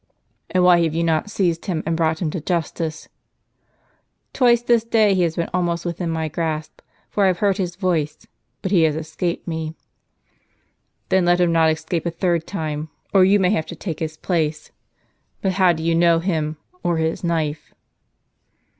" And why have you not seized him and brought him to justice ?"" Twice this day he has been almost within my grasp, for I have heard his voice ; but he has escaped me." " Then let him not escape a third time, or you may have to take his place. But how do you know him, or his knife